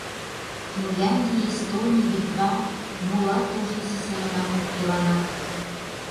Финляндий, Эстоний, Литва, молат ожнысо семынак коктеланат.